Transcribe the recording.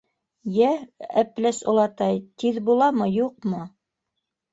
— Йә, Әпләс олатай, тиҙ буламы, юҡмы?